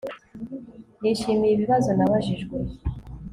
nishimiye ibibazo nabajijwe